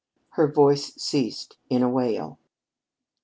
Her voice ceased in a wail.